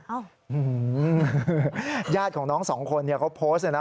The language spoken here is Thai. อื้อหือยาดของน้องสองคนเขาโพสต์นะ